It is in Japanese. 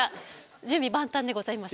準備万端でございます。